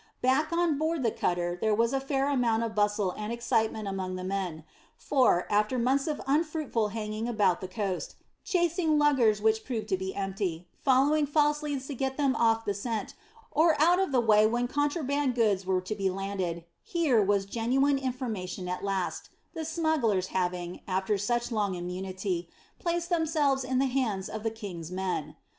Back on board the cutter there was a fair amount of bustle and excitement among the men, for, after months of unfruitful hanging about the coast, chasing luggers which proved to be empty, following false leads to get them off the scent or out of the way when contraband goods were to be landed, here was genuine information at last, the smugglers having, after such long immunity, placed themselves in the hands of the King's men.